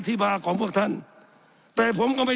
สับขาหลอกกันไปสับขาหลอกกันไป